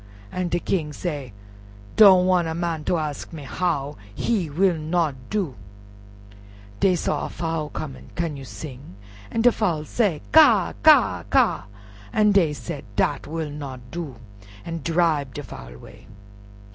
An' de King say, "Don't wan' a man ter ask me how—he will not do." Dey saw a Fowl coming. "Can you sing?" An' de Fowl say "Ka! ka! ka!" an' dey said, "Dat will not do," an' dribe de Fowl 'way.